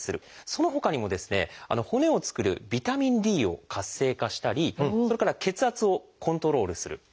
そのほかにもですね骨を作るビタミンＤを活性化したりそれから血圧をコントロールする。